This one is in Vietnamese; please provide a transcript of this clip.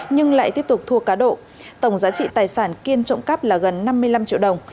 nhưng lại tiếp tục thua cá độ tổng giá trị tài sản kiên trộm cắp là gần năm mươi năm triệu đồng